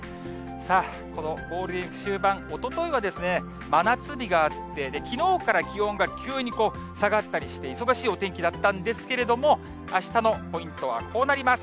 さあ、このゴールデンウィーク終盤、真夏日があって、で、きのうから気温が急に下がったりして、忙しいお天気だったんですけれども、あしたのポイントはこうなります。